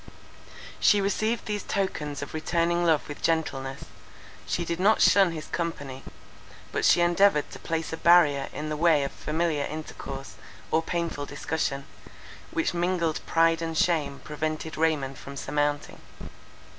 She received these tokens of returning love with gentleness; she did not shun his company; but she endeavoured to place a barrier in the way of familiar intercourse or painful discussion, which mingled pride and shame prevented Raymond from surmounting.